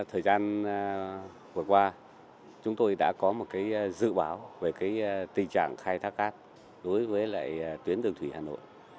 hồi qua chúng tôi đã có một dự báo về tình trạng khai thác cát đối với tuyến đường thủy hà nội